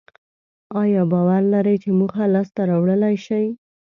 ایا باور لرئ چې موخه لاسته راوړلای شئ؟